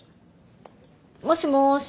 もしもし。